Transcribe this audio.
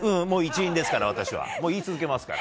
もう一員ですから、私は。